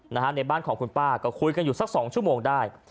ในบ้านของคุณป้าก็คุยกันอยู่สักสองชั่วโมงได้